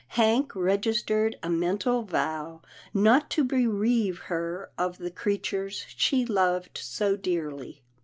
Hank regis tered a mental vow not to bereave her of the crea tures she loved so dearly.